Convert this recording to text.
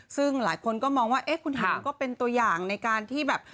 ซึ่งหลายคนก็มองว่าเอ๊ะคุณเห็นมันก็เป็นตัวอย่างในการที่แบบ